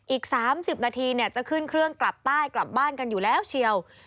อีก๓๐นาทีจะขึ้นเครื่องกลับใต้กลับบ้านกันอยู่แล้วเชียว